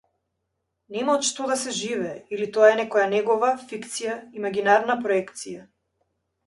Нема од што да се живее, или тоа е некоја негова фикција, имагинарна проекција.